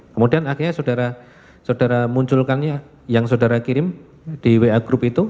kemudian akhirnya saudara munculkannya yang saudara kirim di wa group itu